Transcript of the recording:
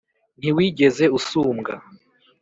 Ntiwigeze usumbwa